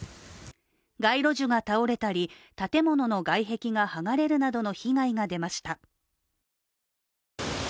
街路樹が倒れたり、建物の外壁が剥がれるなどの被害が出ました。